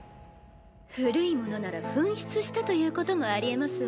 古いものなら紛失したということもありえますわ。